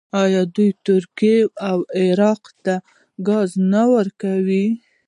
آیا دوی ترکیې او عراق ته ګاز نه ورکوي؟